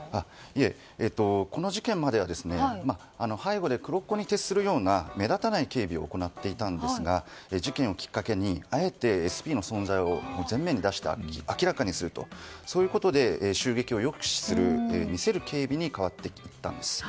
いえ、この事件までは背後で黒子に徹するような目立たない警備を行っていたんですが事件をきっかけにあえてＳＰの存在を前面に出した明らかにするとそういうことで、襲撃を抑止する見せる警備に変わっていったんです。